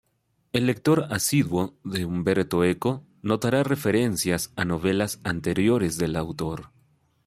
El lector asiduo de Umberto Eco notará referencias a novelas anteriores del autor.